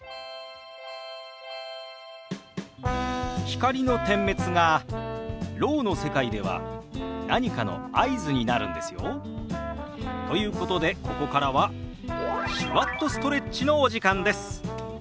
光の点滅がろうの世界では何かの合図になるんですよ。ということでここからは「手話っとストレッチ」のお時間です。